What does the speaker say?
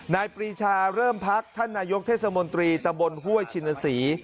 ปรีชาเริ่มพักท่านนายกเทศมนตรีตำบลห้วยชินศรี